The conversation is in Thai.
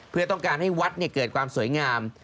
เพื่อต้องการให้วัดเกิดความสวยงาม